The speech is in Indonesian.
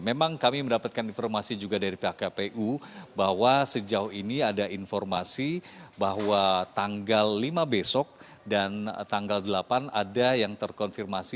memang kami mendapatkan informasi juga dari pihak kpu bahwa sejauh ini ada informasi bahwa tanggal lima besok dan tanggal delapan ada yang terkonfirmasi